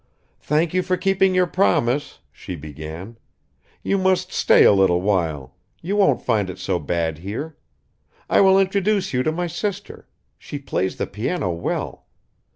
"Thank you for keeping your promise," she began. "You must stay a little while; you won't find it so bad here. I will introduce you to my sister; she plays the piano well.